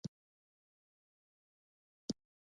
زما انا یو زوړ غالۍ ساتلی دی.